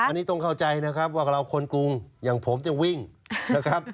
อันนี้ต้องเข้าใจนะครับว่าเราคนกรุงอย่างผมจะวิ่งนะครับ